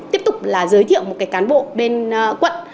tiếp tục là giới thiệu một cái cán bộ bên quận